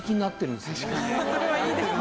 それはいいですね。